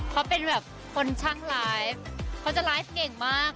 เขาเป็นแบบคนช่างไลฟ์เขาจะไลฟ์เก่งมาก